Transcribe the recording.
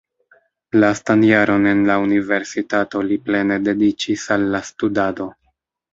Lastan jaron en la universitato li plene dediĉis al la studado.